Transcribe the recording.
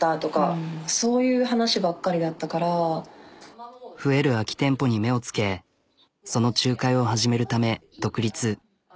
もう増える空き店舗に目をつけその仲介を始めるため独立。